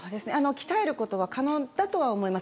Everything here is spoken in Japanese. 鍛えることは可能だとは思います。